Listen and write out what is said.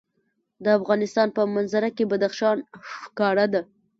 د افغانستان په منظره کې بدخشان ښکاره ده.